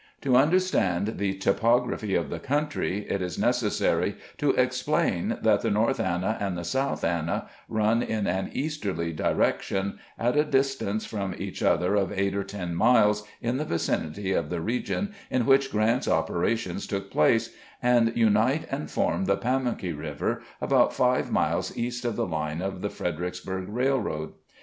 To understand the topography of the country, it is ne cessary to explain that the North Anna and the South Anna run in an easterly direction, at a distance from each other of eight or ten miles in the vicinity of the region in which Grant's operations took place, and unite and form the Pamunkey River about five mUes east of the line of the Fredericksburg Railroad.